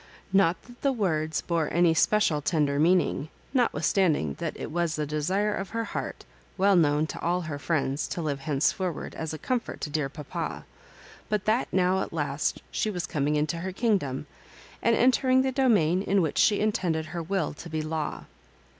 Not that the words bore anv special tender meaning, notwith standing that it was the desire of her heart, well known to all her friends, to live henceforward as a comfort to dear papa, but that now at last she was coming into her kingdom, and entering the domain in which she intended her will to be law.